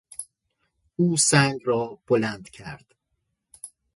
او سنگ را بلند کرد.